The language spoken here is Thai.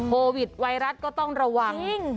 ไวรัสก็ต้องระวัง